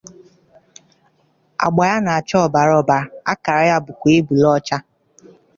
Agba ya na-acha ọbara ọbara, akara ya bụkwa ebule ọcha.